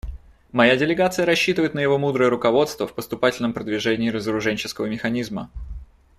Моя делегация рассчитывает на его мудрое руководство в поступательном продвижении разоруженческого механизма.